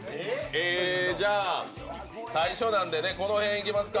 じゃあ最初なんでこの辺いきますか。